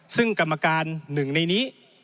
ซึ่งกรรมการหนึ่งในนี้